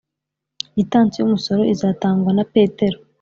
gitansi y umusoro izatangwa na petero